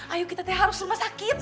ayo kita harus rumah sakit